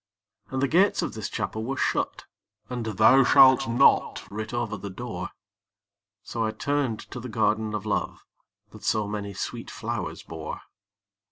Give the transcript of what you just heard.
And the gates of this Chapel were shut, And 'Thou shalt not' writ over the door; So I turned to the Garden of Love That so many sweet flowers bore.